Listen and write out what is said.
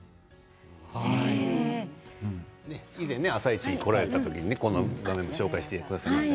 以前「あさイチ」に来られた時この場面を紹介してくださいました。